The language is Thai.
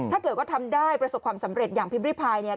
ถ้าเกิดว่าทำได้ประสบความสำเร็จอย่างพิมพิริพายเนี่ย